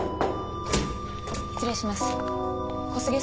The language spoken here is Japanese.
失礼します。